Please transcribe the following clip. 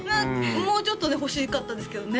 もうちょっとね欲しかったですけどね